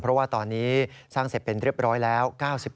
เพราะว่าตอนนี้สร้างเสร็จเป็นเรียบร้อยแล้ว